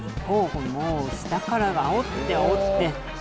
もう下からあおってあおって。